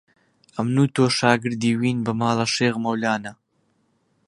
ئەمن و تۆ شاگردی وین بە ماڵە شێخ مەولانە